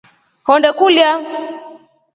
Honde kulya.